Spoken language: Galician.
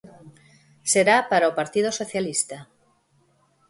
Será para o Partido Socialista.